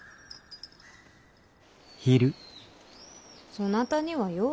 そなたにはよう